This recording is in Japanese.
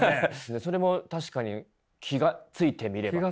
それも確かに気が付いてみればって。